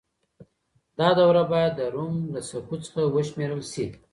دا دوره بايد د روم له سقوط څخه وشمېرل سي.